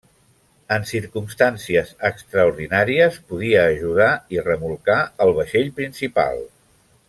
En circumstàncies extraordinàries podia ajudar i remolcar el vaixell principal.